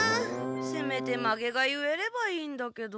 せめてマゲが結えればいいんだけど。